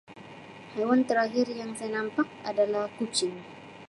Haiwan terakhir yang saya nampak adalah kucing.